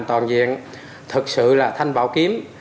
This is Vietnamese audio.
toàn diện thực sự là thanh bảo kiếm